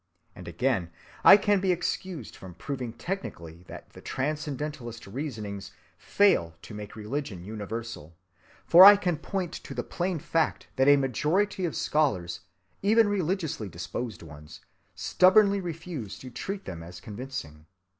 And again, I can be excused from proving technically that the transcendentalist reasonings fail to make religion universal, for I can point to the plain fact that a majority of scholars, even religiously disposed ones, stubbornly refuse to treat them as convincing.